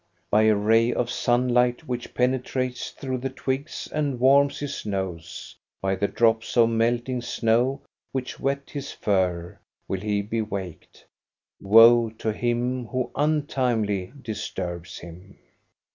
By a ray of sunlight which penetrates through the twigs and warms his nose, by the drops of melting snow which wet his fur, will he be waked. Woe to him who untimely disturbs him